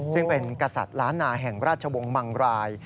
ซึ่งเป็นกษัตริย์ล้านนาแห่งราชวงศ์มังราย